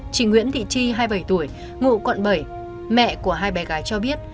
chị nguyễn thị chi hai mươi bảy tuổi ngụ quận bảy mẹ của hai bé gái cho biết